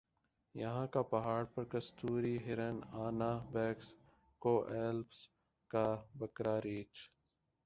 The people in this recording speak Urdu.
یَہاں کا پہاڑ پر کستوری ہرن آنا بیکس کوہ ایلپس کا بکرا ریچھ